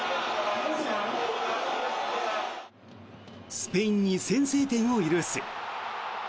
スペインに先制点を許す。